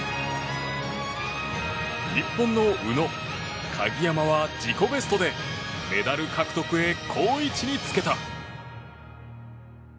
日本の宇野、鍵山は自己ベストでメダル獲得へ好位置につけた。